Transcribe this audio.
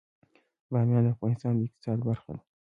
بامیان د افغانستان د اقتصاد برخه ده.